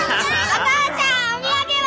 お父ちゃんお土産は？